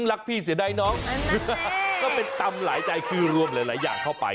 รักพี่เสียดายน้องก็เป็นตำหลายใจคือรวมหลายอย่างเข้าไป